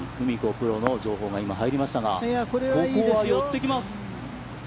プロの情報が今、入りましたが、ここは寄ってきます。